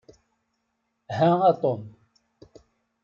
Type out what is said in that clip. Ha a Tom.